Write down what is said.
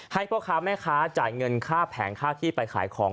พ่อค้าแม่ค้าจ่ายเงินค่าแผงค่าที่ไปขายของ